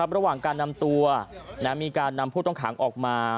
ระหว่างการนำตัวมีการนำผู้ต้องขังออกมา